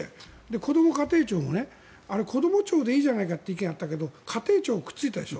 こども家庭庁もあれ、こども庁でいいじゃないかっていう意見があったけど家庭庁にくっついたでしょ。